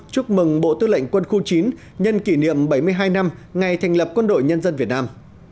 chúc mừng bộ tư lệnh quân khu chín nhân kỷ niệm bảy mươi hai năm ngày thành lập quân đội nhân dân việt nam